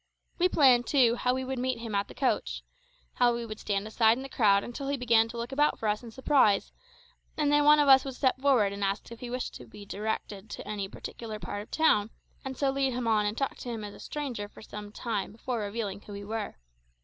We planned, too, how we would meet him at the coach; how we would stand aside in the crowd until he began to look about for us in surprise, and then one of us would step forward and ask if he wished to be directed to any particular part of the town, and so lead him on and talk to him as a stranger for some time before revealing who we were.